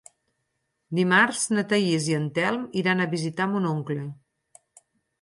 Dimarts na Thaís i en Telm iran a visitar mon oncle.